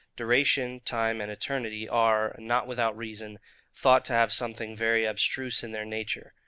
Duration, time, and eternity, are, not without reason, thought to have something very abstruse in their nature.